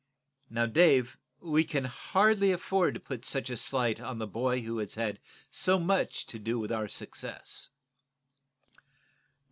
Now, Dave, we can hardly afford to put such a slight on the boy who has had so much to do with our success."